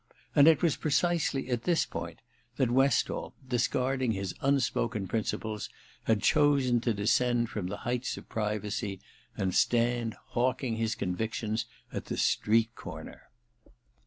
And it was precisely at this point that Westall, discarding his unspoken principles, had chosen to descend from the heights of privacy, and stand hawking his convictions at the street corner